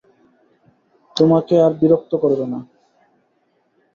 তোমাকে আর বিরক্ত করবে না।